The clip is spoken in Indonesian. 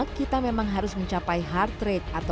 menurut aku mungkin harus di balance balance aja